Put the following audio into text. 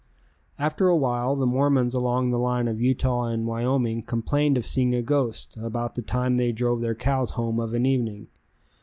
After a while the Mormons along the line of Utah and Wyoming complained of seeing a ghost about the time they drove their cows home of an evening.